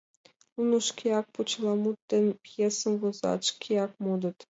Нуно шкеак почеламут ден пьесым возат, шкеак модыт.